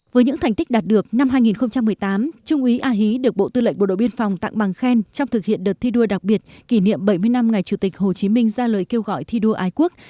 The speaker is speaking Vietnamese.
với những thành tích đạt được năm hai nghìn một mươi tám trung úy a hí được bộ tư lệnh bộ đội biên phòng tặng bằng khen trong thực hiện đợt thi đua đặc biệt kỷ niệm bảy mươi năm ngày chủ tịch hồ chí minh ra lời kêu gọi thi đua ái quốc